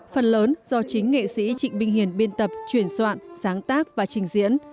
phần lớn do chính nghệ sĩ trịnh minh hiền biên tập chuyển soạn sáng tác và trình diễn